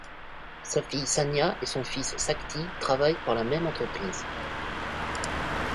Sa fille Sania et son fils Sakti travaillent pour la même entreprise.